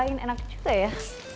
coba ngebahain enak juga ya